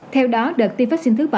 theo đó đợt ti phát sinh thứ bảy